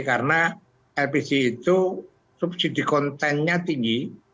karena lpg itu subsidi kontennya tinggi